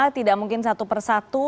tidak mungkin satu persatu